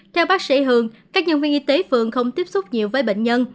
theo bác sĩ hường các nhân viên y tế phường không tiếp xúc nhiều với bệnh nhân